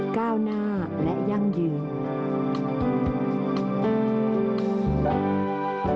ก้าวหน้าและยั่งยืน